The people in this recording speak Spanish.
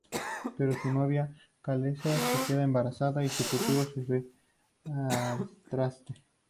Pero su novia Chelsea se queda embarazada, y su futuro se va al traste.